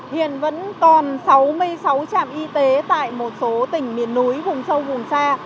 hiện vẫn còn sáu mươi sáu trạm y tế tại một số tỉnh miền núi vùng sâu vùng xa